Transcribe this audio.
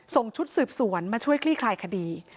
ส่งชุดสืบสวนมาช่วยคลี่คลายคดี